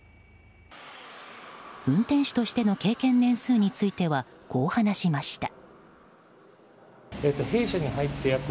運転手としての経験年数についてはこう話しました。